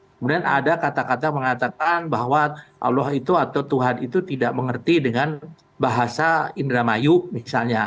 kemudian ada kata kata mengatakan bahwa allah itu atau tuhan itu tidak mengerti dengan bahasa indramayu misalnya